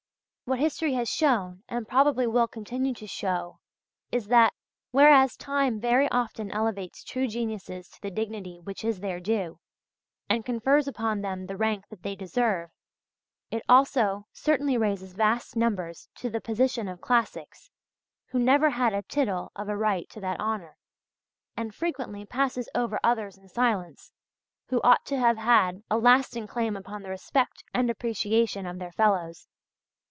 What history has shown and probably will continue to show is, that whereas time very often elevates true geniuses to the dignity which is their due, and confers upon them the rank that they deserve, it also certainly raises vast numbers to the position of classics, who never had a tittle of a right to that honour, and frequently passes over others in silence who ought to have had a lasting claim upon the respect and appreciation of their fellows.